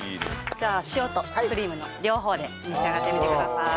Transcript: じゃあ塩とクリームの両方で召し上がってみてください。